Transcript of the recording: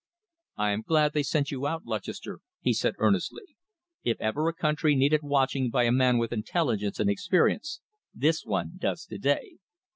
"I am glad they sent you out, Lutchester," he said earnestly. "If ever a country needed watching by a man with intelligence and experience, this one does to day."